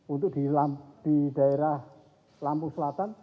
untuk di daerah lampung selatan